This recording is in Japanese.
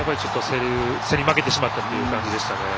競り負けてしまった感じでした。